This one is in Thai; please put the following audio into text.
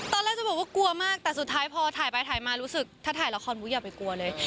ตอนแรกจะบอกว่ากลัวมากแต่สุดท้ายพอถ่ายไปถ่ายมารู้สึกถ้าถ่ายละครบุ๊กอย่าไปกลัวเลย